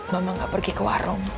memang gak pergi ke warung